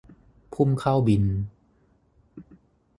พุ่มข้าวบิณฑ์